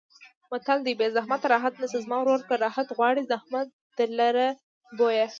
متل دی: بې زحمته راحت نشته زما وروره که راحت غواړې زحمت درلره بویه.